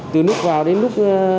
từ lúc vào đến lúc